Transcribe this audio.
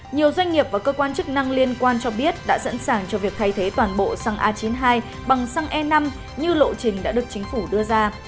nhiều doanh nghiệp và cơ quan chức năng liên quan cho biết đã sẵn sàng cho việc thay thế toàn bộ xăng a chín mươi hai bằng xăng e năm như lộ trình đã được chính phủ đưa ra